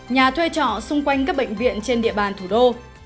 nhà thuê trọ xung quanh các bệnh viện trên địa bàn thủ đô